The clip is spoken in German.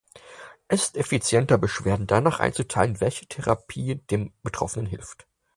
Es ist effizienter, Beschwerden danach einzuteilen, welche Therapie dem Betroffenen hilft.